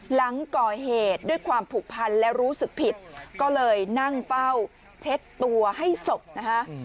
หลังก่อเหตุด้วยความผูกพันและรู้สึกผิดก็เลยนั่งเฝ้าเช็ดตัวให้ศพนะคะ